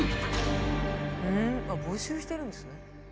あっ募集してるんですね。